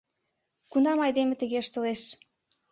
Кунам айдеме тыге ыштылеш?